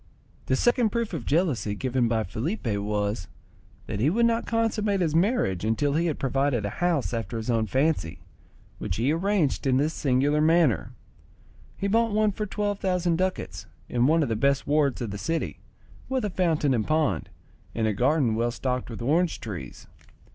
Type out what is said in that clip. The second proof of jealousy given by Felipe was, that he would not consummate his marriage until he had provided a house after his own fancy, which he arranged in this singular manner. He bought one for twelve thousand ducats, in one of the best wards of the city, with a fountain and pond, and a garden well stocked with orange trees.